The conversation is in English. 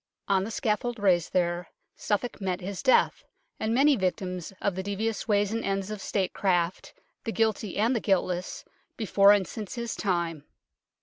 On the scaffold raised there Suffolk met his death, and many victims of the devious ways and ends of statecraft, the guilty and the guiltless, before and since Ms time.